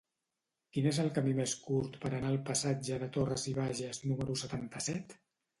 Quin és el camí més curt per anar al passatge de Torras i Bages número setanta-set?